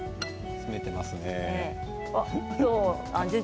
詰めていますね。